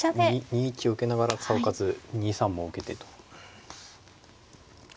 ２一を受けながらなおかつ２三も受けてと。